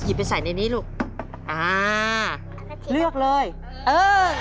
หยิบไปใส่ในนี่อะเออเลือกเลยเออ